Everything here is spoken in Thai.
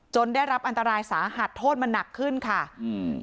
ได้รับอันตรายสาหัสโทษมันหนักขึ้นค่ะอืม